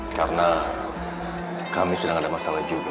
karena kami sedang ada masalah juga